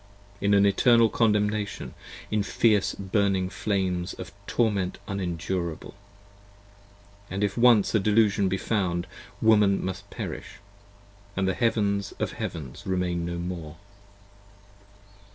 In an eternal condemnation, in fierce burning flames Of torment unendurable: and if once a Delusion be found 15 Woman must perish & the Heavens of Heavens remain no more.